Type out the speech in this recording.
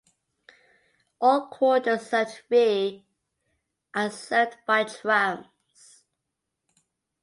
All quarters except Vie are served by trams.